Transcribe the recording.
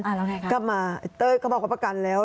แล้วไงคะกลับมาไอ้เต้ยเขาบอกเขาประกันแล้ว